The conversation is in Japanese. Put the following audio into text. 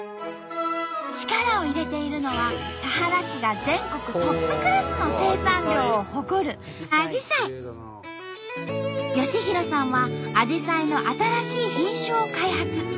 力を入れているのは田原市が全国トップクラスの生産量を誇る良浩さんはアジサイの新しい品種を開発。